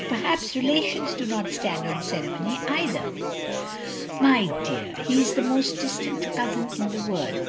" "Perhaps relations do not stand on ceremony either. " "My dear! He is the most distant cousin in the world.